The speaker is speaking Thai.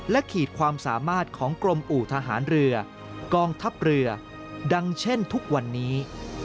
ขีดความสามารถของกรมอู่ทหารเรือกองทัพเรือดังเช่นทุกวันนี้